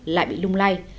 lại bị lung lay